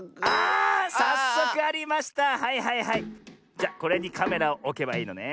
じゃこれにカメラをおけばいいのね。